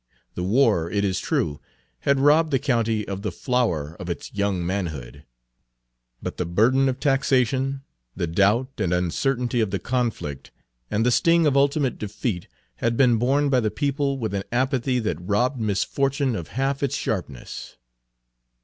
The war, it is true, had robbed the county of the flower of its young manhood; but the burden of taxation, the doubt and uncertainty of the conflict, and the sting of ultimate defeat, had been borne by the people with an apathy that robbed misfortune of half its sharpness.